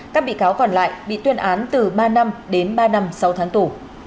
các bị cáo còn lại bị tuyên án từ ba năm đến ba năm sau tháng tù